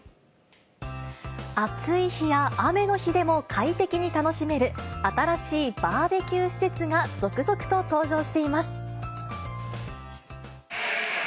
暑い日や雨の日でも快適に楽しめる新しいバーベキュー施設が、続々と登場しています。